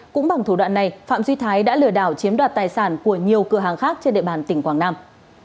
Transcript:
cũng bằng thủ đoạn này phạm duy thái đã lừa đảo chiếm đoạt tài sản của nhiều cửa hàng khác trên địa bàn tỉnh quảng nam